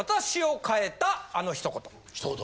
ひと言！